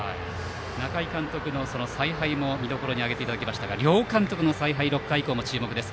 中井監督の采配も見どころに挙げていましたが両監督の采配６回以降も注目です。